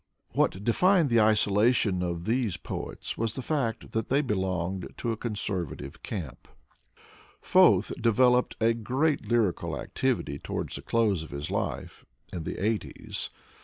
What defined the isolation of these poets was the fact that they belonged to the conservative camp. Foeth developed a great lyrical activity toward the close of his life, in the eighties.